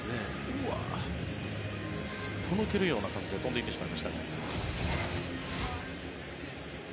すっぽ抜けるような感じで飛んで行ってしまいました。